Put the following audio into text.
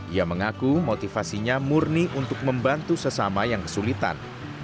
ia mengaku motivasinya murni untuk membantu sesama yang kesulitan